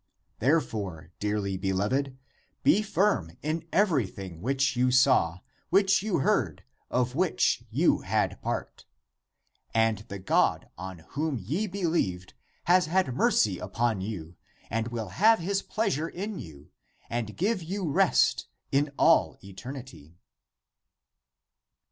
Therefore, dearly beloved, be firm in everything which you saw, which you heard, of which you had part! And the ACTS OF ANDREW 213 God on whom ye believed has had mercy upon you and will have his pleasure in you and give you rest in all eterntiy.